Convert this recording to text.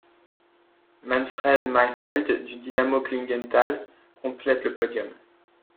Manfred Meinhold, du Dynamo Klingenthal, complète le podium.